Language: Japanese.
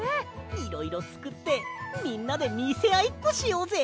いろいろつくってみんなでみせあいっこしようぜ！